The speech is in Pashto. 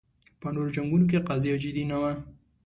په نورو جنګونو کې قضیه جدي نه وه